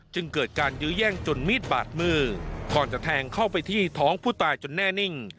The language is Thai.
จึงเกิดการยื้อแย่งจนมีดบาดมือก่อนจะแทงเข้าไปที่ท้องผู้ตายจนแน่นิ่ง